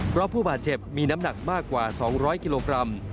เพราะผู้บาดเจ็บมีน้ำหนักมากกว่า๒๐๐กิโลกรัม